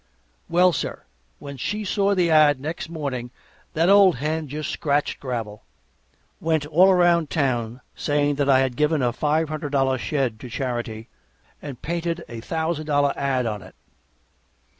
Well, sir, when she saw the ad next morning that old hen just scratched gravel. Went all around town saying that I had given a five hundred dollar shed to charity and painted a thousand dollar ad on it.